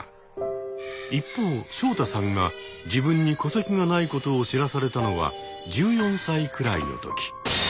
一方ショウタさんが自分に戸籍がないことを知らされたのは１４歳くらいの時。